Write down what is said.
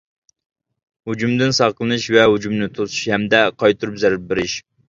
ھۇجۇمدىن ساقلىنىش ۋە ھۇجۇمنى توسۇش، ھەمدە قايتۇرۇپ زەربە بېرىش.